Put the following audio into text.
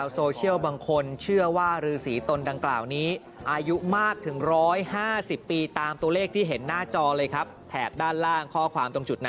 ดูอย่างนี้ด้วย